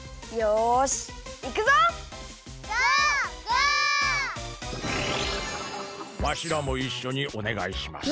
わしらもいっしょにおねがいします。